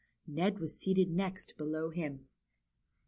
Ned was seated next below him.